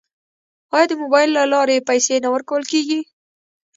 آیا د موبایل له لارې پیسې نه ورکول کیږي؟